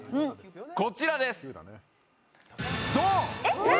こちらですドン！